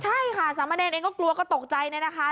ใช่ค่ะถูกแทงเต้งกลัวก็ตกใจเนี่ยนะคะ